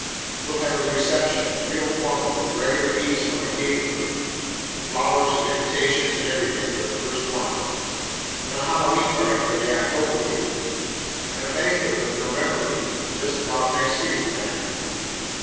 We'll have a reception, real formal, with regular eats from a caterer, and flowers and invitations and everything, for the first one; and a Hallowe'en party for the October meeting, and a banquet for the November meeting, just about Thanksgiving time, you know.